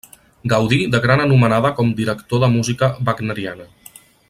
Gaudí de gran anomenada coma director de música wagneriana.